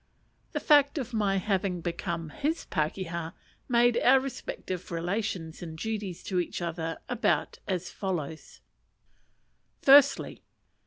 The fact of my having become his pakeha made our respective relations and duties to each other about as follows Firstly.